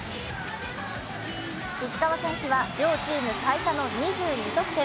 石川選手は両チーム最多の２２得点。